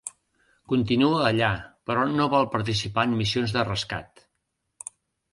Continua allà, però no vol participar en missions de rescat.